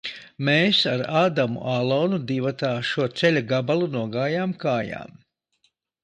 Mēs ar Adamu Alonu divatā šo ceļa gabalu nogājām kājām.